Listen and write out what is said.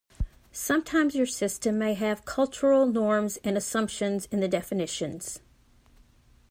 Sometimes your system may have cultural norms and assumptions in the definitions.